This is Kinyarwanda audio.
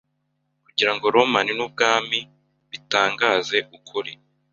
Kugira ngo Roma n'ubwami bitangaze ukuri